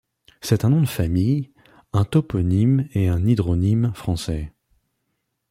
C'est un nom de famille, un toponyme et un hydronyme français.